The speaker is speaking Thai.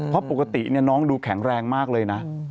เพราะปกติน้องดูแข็งแรงมากเลยนะ